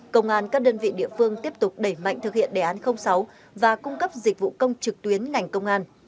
công an các đơn vị địa phương tiếp tục đẩy mạnh thực hiện đề án sáu và cung cấp dịch vụ công trực tuyến ngành công an